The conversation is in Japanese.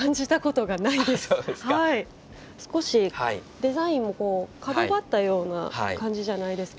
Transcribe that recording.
少しデザインもこう角張ったような感じじゃないですか。